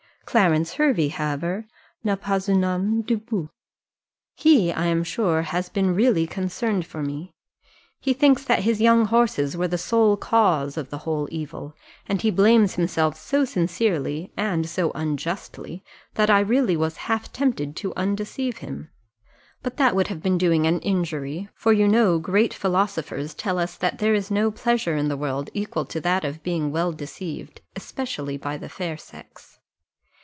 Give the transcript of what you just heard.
Clarence Hervey, however, n'a pas une ame de boue; he, I am sure, has been really concerned for me: he thinks that his young horses were the sole cause of the whole evil, and he blames himself so sincerely, and so unjustly, that I really was half tempted to undeceive him; but that would have been doing him an injury, for you know great philosophers tell us that there is no pleasure in the world equal to that of being well deceived, especially by the fair sex.